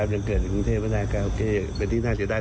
ยังเกิดในกรุงเทพไม่ได้ก็โอเคเป็นที่น่าจะได้